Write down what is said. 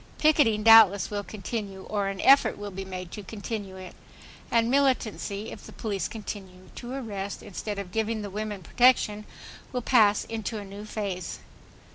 Picketing doubtless will continue, or an effort will be made to continue it; and militancy, if the police continue to arrest, instead of giving the women protection, will pass into a new phase.